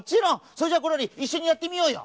それじゃあゴロリいっしょにやってみようよ！